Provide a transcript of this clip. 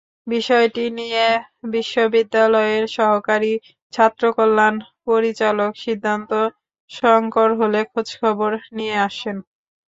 বিষয়টি নিয়ে বিশ্ববিদ্যালয়ের সহকারী ছাত্রকল্যাণ পরিচালক সিদ্ধার্থ শংকর হলে খোঁজখবর নিতে আসেন।